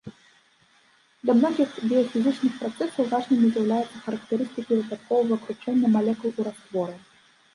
Для многіх біяфізічных працэсаў важнымі з'яўляюцца характарыстыкі выпадковага кручэння малекул у растворы.